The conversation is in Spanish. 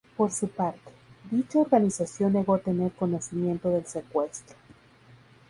Por su parte, dicha organización negó tener conocimiento del secuestro.